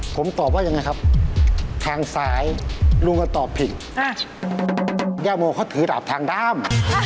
ผมตอบว่ายังไงครับทางซ้ายลุงก็ตอบผิดย่าโมเขาถือดาบทางด้าม